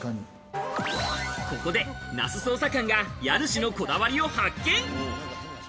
ここで那須捜査官が家主のこだわりを発見。